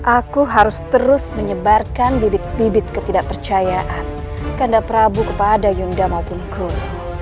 aku harus terus menyebarkan bibit bibit ketidakpercayaan kandaprabu kepada yunda maupun guru